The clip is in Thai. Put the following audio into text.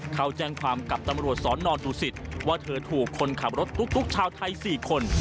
เขาแจ้งความกับตำรวจสนดูสิตว่าเธอถูกคนขับรถตุ๊กชาวไทย๔คน